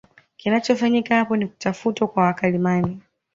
Kinachofanyika apo ni kutafutwa kwa wakalimani